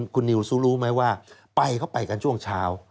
คุณนิวซูรู้ไหมว่าไปเขาไปกันช่วงเช้า